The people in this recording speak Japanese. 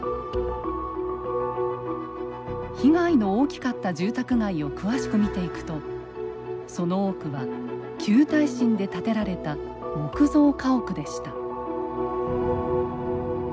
被害の大きかった住宅街を詳しく見ていくとその多くは旧耐震で建てられた木造家屋でした。